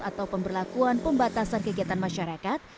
atau pemberlakuan pembatasan kegiatan masyarakat